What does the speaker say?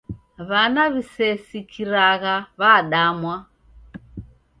W'ana w'isesikiragha w'adamwa.